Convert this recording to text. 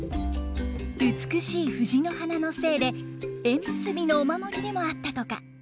美しい藤の花の精で縁結びのお守りでもあったとか。